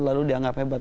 lalu dianggap hebat